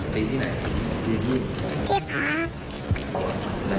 ตีที่ไหนตีที่ตีขา